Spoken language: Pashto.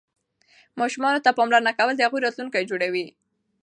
ماشوم ته پاملرنه کول د هغه راتلونکی جوړوي.